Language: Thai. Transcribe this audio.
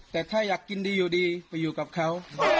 แต่ถ้าอยากกินดีอยู่ดีไปอยู่กับเขา